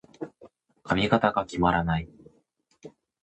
髪型が決まらない。